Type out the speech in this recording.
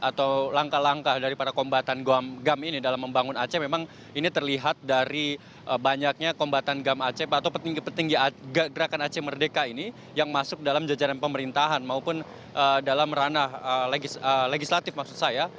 atau langkah langkah dari para kombatan gam ini dalam membangun aceh memang ini terlihat dari banyaknya kombatan gam aceh atau petinggi petinggi gerakan aceh merdeka ini yang masuk dalam jajaran pemerintahan maupun dalam ranah legislatif maksud saya